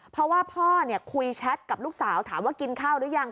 เพราะว่าพ่อคุยแชทกับลูกสาวถามว่ากินข้าวหรือยัง